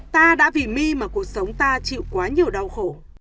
ta đã vì my mà cuộc sống ta chịu quá nhiều đau khổ